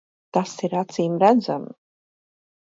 Tas ir acīmredzami.